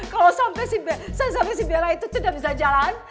kalau sampai si bella itu tidak bisa jalan